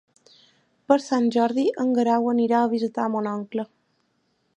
Per Sant Jordi en Guerau anirà a visitar mon oncle.